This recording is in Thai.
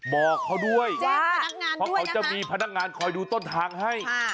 บอกเขาด้วยว่าเพราะเขาจะมีพนักงานคอยดูต้นทางให้